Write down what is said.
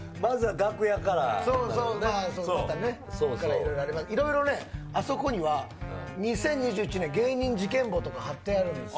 楽屋からいろいろあります、いろいろね、あそこには２０２１年芸人事件簿とか貼ってあるんですよ。